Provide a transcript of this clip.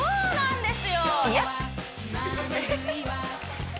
そうなんです